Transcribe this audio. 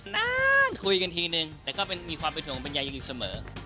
นั่นคุยกันทีนึงแต่ก็มีความเป็นส่วนของปัญญาอย่างอีกเสมอ